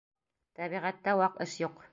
Тәбиғәттә ваҡ эш юҡ